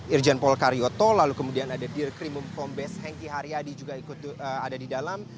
irjen polkarioto lalu kemudian ada dirkrim mumpombes hengki haryadi juga ada di dalam